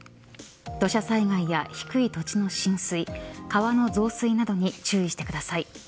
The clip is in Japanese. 土砂災害や低い土地の浸水川の増水などに注意してください。